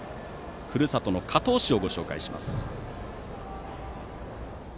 ふるさとの河東市をご紹介します。